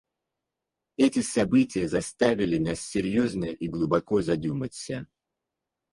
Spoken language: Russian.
Эти события заставили нас серьезно и глубоко задуматься.